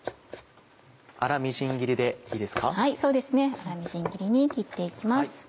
粗みじん切りに切って行きます。